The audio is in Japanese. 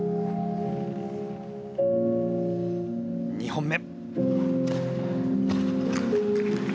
２本目。